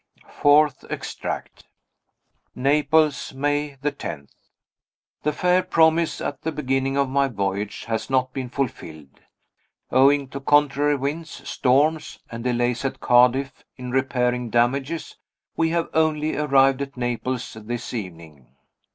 Fourth Extract. Naples, May 10. The fair promise at the beginning of my voyage has not been fulfilled. Owing to contrary winds, storms, and delays at Cadiz in repairing damages, we have only arrived at Naples this evening.